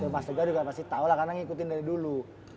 mas tegah juga pasti tau lah karena ngikutin dari dulu